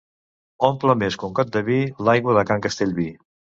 Omple més que un got de vi, l'aigua de can Castellví.